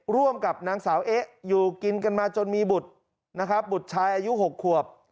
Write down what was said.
ร่วมกับนางสาวเอ๊ะอยู่กินกันมาจนมีบุตรนะครับบุตรชายอายุ๖ขวบ